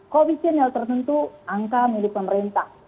koefisien yang tertentu angka milik pemerintah